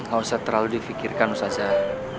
gak usah terlalu di fikirkan ustazah